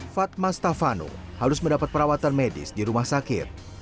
fatma stafano harus mendapat perawatan medis di rumah sakit